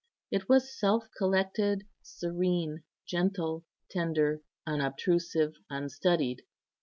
It was self collected, serene, gentle, tender, unobtrusive, unstudied.